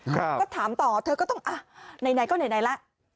ก็ถามต่อเธอก็ต้องอ่ะไหนก็ไหนล่ะ